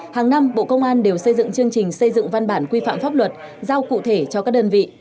hàng năm bộ công an đều xây dựng chương trình xây dựng văn bản quy phạm pháp luật giao cụ thể cho các đơn vị